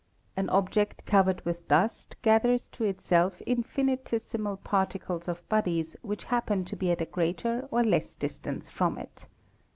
An object covered with dust gathers to itself infinitesimal particles of bodies which happen to be at a greater or less distance from it.